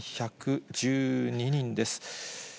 ８１１２人です。